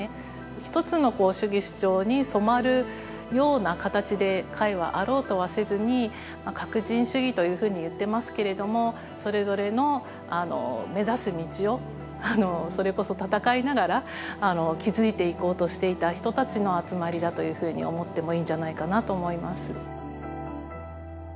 一つの主義主張に染まるような形で会はあろうとはせずに各人主義というふうに言ってますけれどもそれぞれの目指す道をそれこそ闘いながら築いていこうとしていた人たちの集まりだというふうに思ってもいいんじゃないかなと思います。